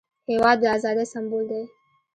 هېواد د ازادۍ سمبول دی.